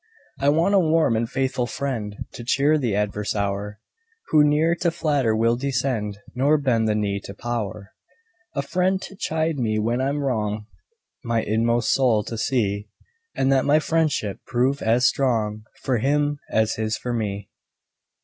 I want a warm and faithful friend, To cheer the adverse hour, Who ne'er to flatter will descend, Nor bend the knee to power, A friend to chide me when I'm wrong, My inmost soul to see; And that my friendship prove as strong For him as his for me.